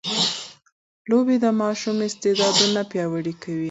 لوبې د ماشوم استعدادونه پياوړي کوي.